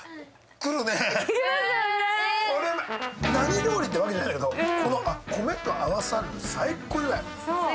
何料理ってわけじゃないけどこの米と合わさると最高にうまい。